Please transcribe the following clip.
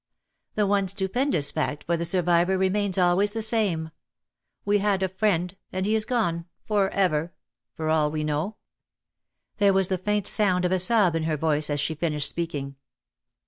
The one stupendous fact for the survivor remains always the same We had a friend and he is gone — for ever, for all we know." There was the faint sound of a sob in her voice as she finished speaking.